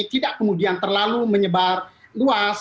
tidak kemudian terlalu menyebar luas